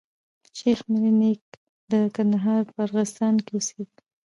د شېخ ملي نيکونه د کندهار په ارغستان کي اوسېدل.